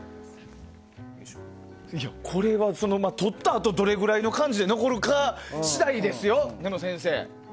これが、撮ったあとどれくらいの感じで残るか次第ですよ、先生。